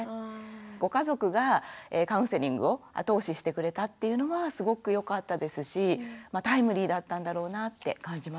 ご家族がカウンセリングを後押ししてくれたっていうのはすごくよかったですしタイムリーだったんだろうなって感じます。